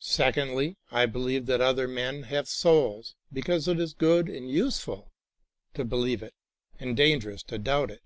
Secondly, I believe that other men have souls because it is good and useful to believe it and dangerous to doubt it.